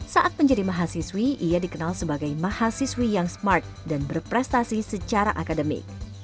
saat menjadi mahasiswi ia dikenal sebagai mahasiswi yang smart dan berprestasi secara akademik